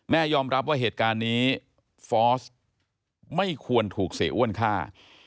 ยอมรับว่าเหตุการณ์นี้ฟอร์สไม่ควรถูกเสียอ้วนฆ่า